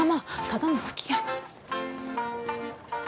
ただのつきあい。